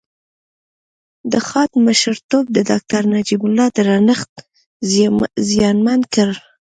د خاد مشرتوب د داکتر نجيب الله درنښت زیانمن کړ